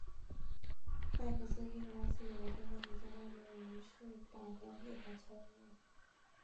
麦克斯意识到自己的身份即将暴露于是把男警察敲晕了。